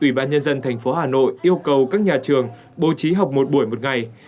ủy ban nhân dân tp hà nội yêu cầu các nhà trường bố trí học một buổi một ngày